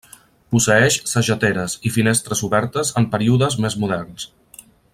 Posseeix sageteres, i finestres obertes en períodes més moderns.